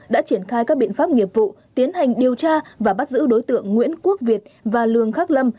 đã triển khai các biện pháp nghiệp vụ tiến hành điều tra và bắt giữ đối tượng nguyễn quốc việt và lường khắc lâm